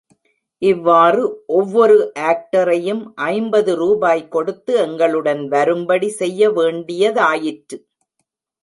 இவ்வாறு ஒவ்வொரு ஆக்டரையும் ஐம்பது ரூபாய் கொடுத்து எங்களுடன் வரும்படி செய்ய வேண்டியதாயிற்று.